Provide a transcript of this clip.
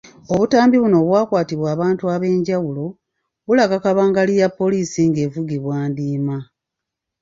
Obutambi buno obwakwatibwa abantu ab’enjawulo, bulaga kabangali ya poliisi ng’evugibwa ndiima .